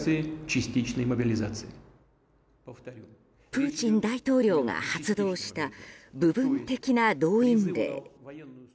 プーチン大統領が発動した部分的な動員令。